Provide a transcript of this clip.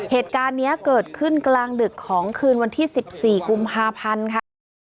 เหตุการณ์นี้เกิดขึ้นกลางดึกของคืนวันที่๑๔กุมภาพันธ์ค่ะ